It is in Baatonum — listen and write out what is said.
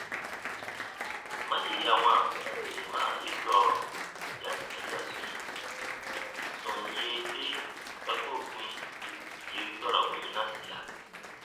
Ma yè ya wãa sinima ye sɔɔ ya ǹ saria swĩi, sɔm yee te ta koo kpĩ tù yen dɔrabu yinasia.